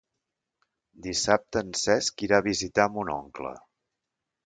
Dissabte en Cesc irà a visitar mon oncle.